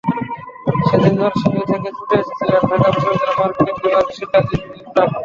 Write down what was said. সেদিন নরসিংদী থেকে ছুটে এসেছিলেন ঢাকা বিশ্ববিদ্যালয়ের মার্কেটিং বিভাগের শিক্ষাথী সোহেল ইমরান।